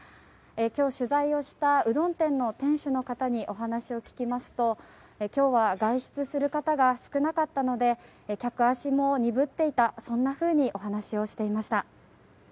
今日、取材をしたうどん店の店主の方にお話を聞きますと今日は外出する方が少なかったので客足も鈍っていたそんなふうにお話をしていました。